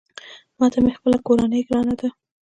ماته مې خپله کورنۍ ګرانه ده